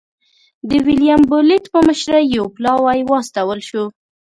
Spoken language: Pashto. د ویلیم بولېټ په مشرۍ یو پلاوی واستول شو.